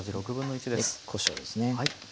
こしょうですね。